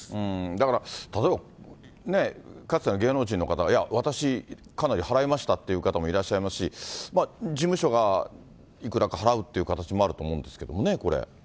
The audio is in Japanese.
だから、例えばかつての芸能人の方、いや、私、かなり払いましたっていう方もいらっしゃいますし、事務所がいくらか払うっていう形もあると思うんですけどね、これ。